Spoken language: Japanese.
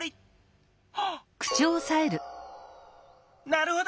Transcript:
なるほど！